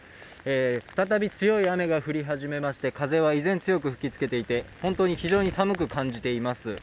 再び強い雨が降り始めまして、風は依然強く吹いていまして本当に非常に寒く感じています。